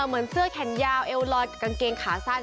เหมือนเสื้อแขนยาวเอวลอยกับกางเกงขาสั้น